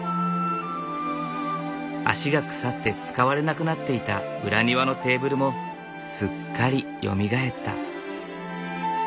脚が腐って使われなくなっていた裏庭のテーブルもすっかりよみがえった。